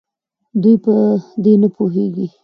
دوي په دې نپوهيږي